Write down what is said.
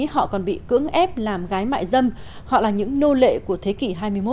hép làm gái mại dâm họ là những nô lệ của thế kỷ hai mươi một